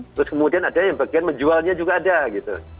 terus kemudian ada yang bagian menjualnya juga ada gitu